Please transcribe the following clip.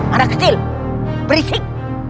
anak kecil berisik